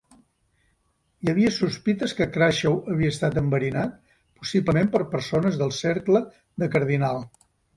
Hi havia sospites que Crashaw havia estat enverinat, possiblement per persones del cercle de Cardinal.